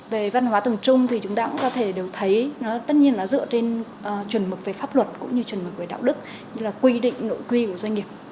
về văn hóa tầng trung thì chúng ta cũng có thể đều thấy tất nhiên là dựa trên chuẩn mực về pháp luật cũng như chuẩn mực về đạo đức như là quy định nội quy của doanh nghiệp